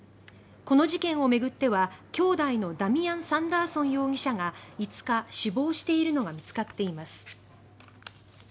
この事件を巡っては、兄弟のダミアン・サンダーソン容疑者が５日、死亡しているのが見つかっています。